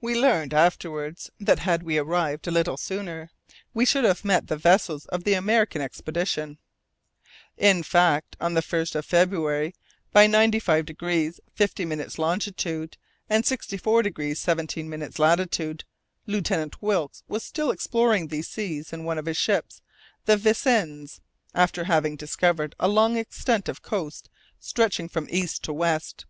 We learned afterwards that had we arrived a little sooner, we should have met the vessels of the American expedition. In fact, on the 1st of February, by 95° 50' longitude and 64° 17' latitude, Lieutenant Wilkes was still exploring these seas in one of his ships, the Vincennes, after having discovered a long extent of coast stretching from east to west.